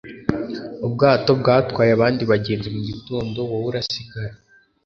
Ubwato bwatwaye abandi bagenzi mugitondo wowe urasigara.